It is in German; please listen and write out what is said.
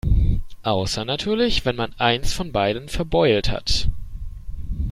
Außer natürlich, wenn man eins von beiden verbeult hat.